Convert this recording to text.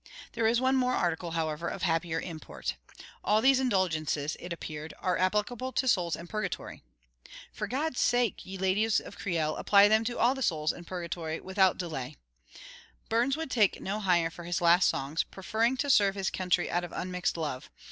There is one more article, however, of happier import. 'All these indulgences,' it appeared, 'are applicable to souls in purgatory.' For God's sake, ye ladies of Creil, apply them all to the souls in purgatory without delay! Burns would take no hire for his last songs, preferring to serve his country out of unmixed love.